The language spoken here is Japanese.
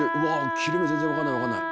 切れ目全然分かんない分かんない。